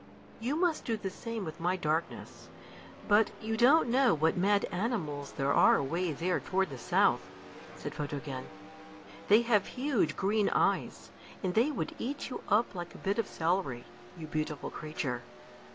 You must do the same with my darkness." "But you don't know what mad animals there are away there toward the south," said Photogen. "They have huge green eyes, and they would eat you up like a bit of celery, you beautiful creature!"